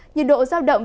nhiệt độ giao động